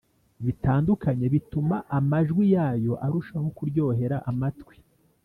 bitandukanye bituma amajwi yayo arushaho kuryohera amatwi.